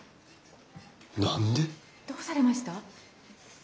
どうされました？